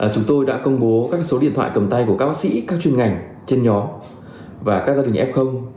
chúng tôi đã công bố các số điện thoại cầm tay của các bác sĩ các chuyên ngành trên nhóm và các gia đình f